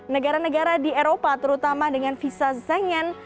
negara negara di eropa terutama dengan visa zengen